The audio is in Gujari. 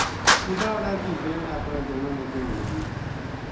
اونٹھاں ہاڑا کی بہن اپنا جنا نا کہن لگی